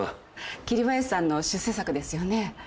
桐林さんの出世作ですよね。